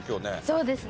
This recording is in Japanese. そうですね。